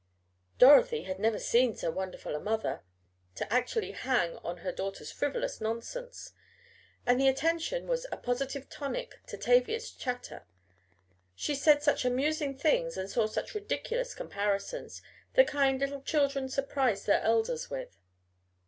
Dorothy had never seen so wonderful a mother to actually hang on her daughter's frivolous nonsense. And the attention was a positive tonic to Tavia's chatter. She said such amusing things and saw such ridiculous comparisons the kind little children surprise their elders with.